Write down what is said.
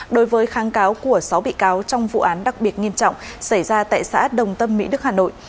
đối với kháng cáo của sáu bị cáo trong vụ án đặc biệt nghiêm trọng xảy ra tại xã đồng tâm mỹ đức hà nội